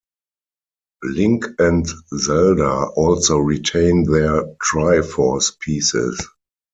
Link and Zelda also retain their Triforce pieces.